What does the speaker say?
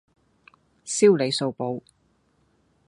燒你數簿